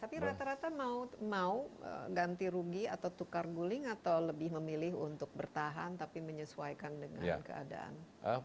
tapi rata rata mau ganti rugi atau tukar guling atau lebih memilih untuk bertahan tapi menyesuaikan dengan keadaan